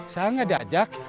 saya nggak diajak